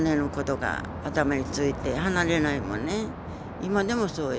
今でもそうよ。